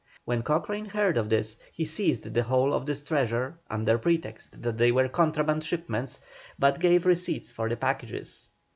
When Cochrane heard of this, he seized the whole of this treasure, under pretext that they were contraband shipments, but gave receipts for the packages.